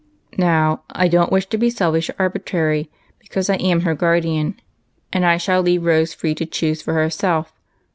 " Now, I don't wish to be selfish or arbitrary, be cause I am her guardian, and I shall leave Rose free to choose for herself.